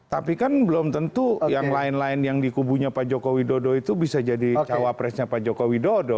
tapi kan belum tentu yang lain lain yang di kubunya pak joko widodo itu bisa jadi cawapresnya pak joko widodo